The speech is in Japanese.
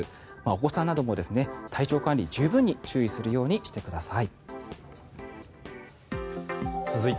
お子さんなども体調管理十分に注意するようにしてください。